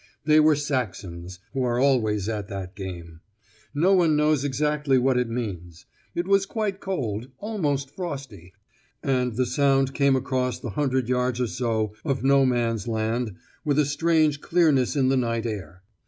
They were Saxons, who are always at that game. No one knows exactly what it means. It was quite cold, almost frosty, and the sound came across the 100 yards or so of No Man's Land with a strange clearness in the night air.